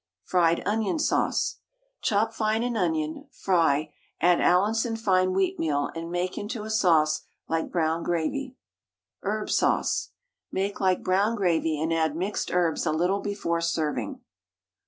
FRIED ONION SAUCE. Chop fine an onion, fry, add Allinson fine wheatmeal, and make into a sauce like brown gravy. HERB SAUCE. Make like "Brown Gravy," and add mixed herbs a little before serving.